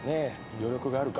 余力があるか」